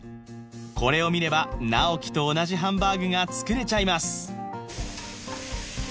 これを見れば直木と同じハンバーグが作れちゃいます